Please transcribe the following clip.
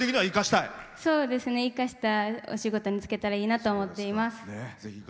生かしたお仕事に就けたらいいなと思っています。